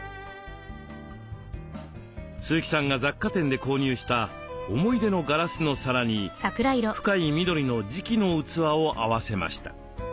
鈴木さんが雑貨店で購入した思い出のガラスの皿に深い緑の磁器の器を合わせました。